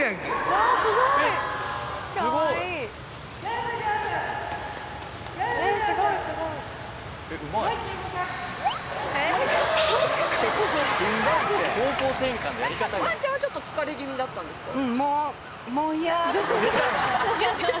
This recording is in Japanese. ワンちゃんは疲れ気味だったんですか？